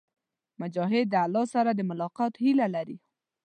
مجاهد د الله سره د ملاقات هيله لري.